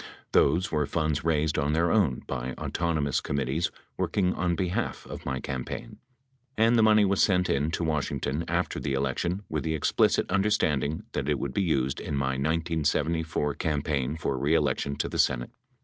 Those were funds raised on their own by autonomous commit tees working on behalf of my campaign. And the money was 558 sent in to Washington after the election with the explicit understanding that it would be used in my 1974 campaign for re election to the Senate.